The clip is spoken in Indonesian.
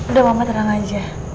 udah mama terang aja